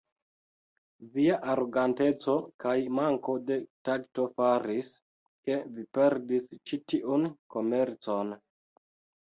Via aroganteco kaj manko de takto faris, ke vi perdis ĉi tiun komercon.